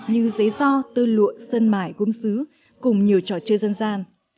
như giấy do tư lụa sân mải gôm xứ cùng nhiều trò chơi dân gian